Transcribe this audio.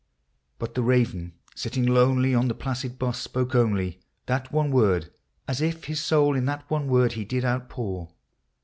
" But the raven, sitting lonely on the placid bust, spoke only MYTHICAL: LEGENDARY. 159 That one word, as if his soul in that one word he did outpour.